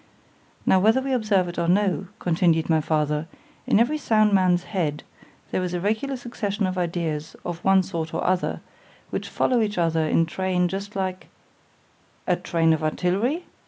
Now, whether we observe it or no, continued my father, in every sound man's head, there is a regular succession of ideas of one sort or other, which follow each other in train just like——A train of artillery?